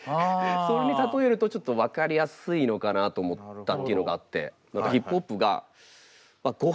それに例えるとちょっと分かりやすいのかなと思ったっていうのがあって。